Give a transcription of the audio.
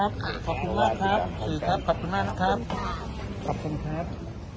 ขอบคุณครับ